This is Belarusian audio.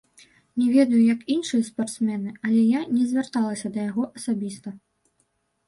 Не ведаю, як іншыя спартсмены, але я не звярталася да яго асабіста.